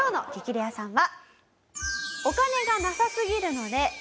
レアさんは。